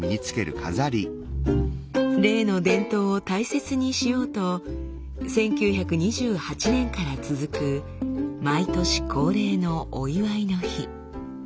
レイの伝統を大切にしようと１９２８年から続く毎年恒例のお祝いの日。